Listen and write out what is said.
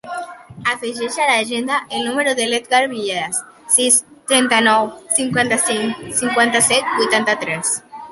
Afegeix a l'agenda el número de l'Edgar Villegas: sis, trenta-nou, cinquanta-cinc, cinquanta-set, vuitanta-tres.